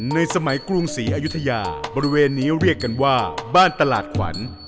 ในสมัยกรุงศรีอยุธยาบริเวณนี้เรียกกันว่าบ้านตลาดขวัญ